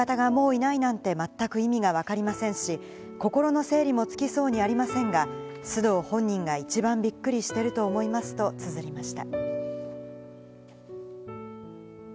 相方がもういないなんて、まったく意味がわかりませんし、心の整理もつきそうにありませんが、須藤本人が一番びっくりしていると思いますとつづりました。